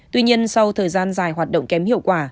tuy nhiên sau thời gian dài hoạt động kém hiệu quả